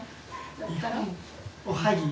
おはぎ。